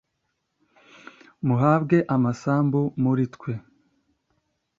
muhabwe amasambu muri twe